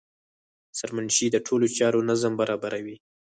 سرمنشي د ټولو چارو نظم برابروي.